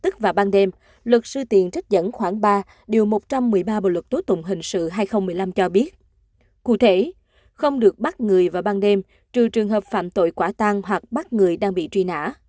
cụ thể không được bắt người vào ban đêm trừ trường hợp phạm tội quả tan hoặc bắt người đang bị truy nã